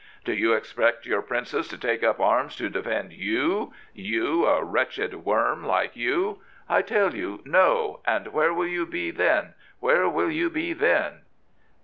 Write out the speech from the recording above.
" Do you expect your princes to take up arms to defend you — you, a wretched worm like you ? I tell you, No! and where will you be then — ^where will you be then